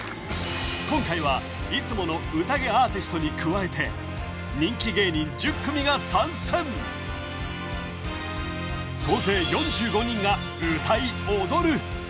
今回はいつものＵＴＡＧＥアーティストに加えて人気芸人１０組が参戦総勢４５人が歌い踊る